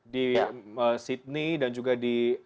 di sydney dan juga di